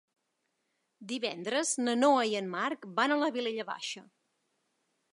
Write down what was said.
Divendres na Noa i en Marc van a la Vilella Baixa.